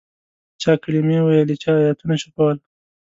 چا کلمې ویلې چا آیتونه چوفول.